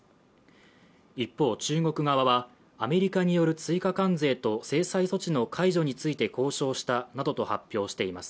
一方、中国側は、アメリカによる追加関税と制裁措置の解除について交渉したなどと発表しています。